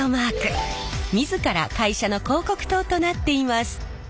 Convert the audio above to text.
自ら会社の広告塔となっています。